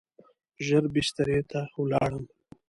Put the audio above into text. ژر بسترې ته ولاړم.